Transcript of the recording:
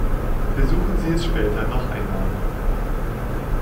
Versuchen Sie es später noch einmal!